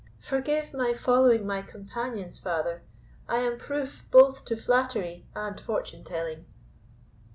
"Forgive my following my companions, father; I am proof both to flattery and fortune telling."